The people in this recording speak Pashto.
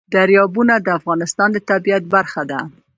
دریابونه د افغانستان د طبیعت برخه ده.